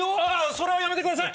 それはやめてください！